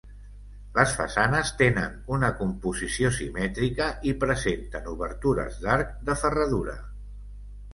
Les façanes tenen una composició simètrica i presenten obertures d'arc de ferradura.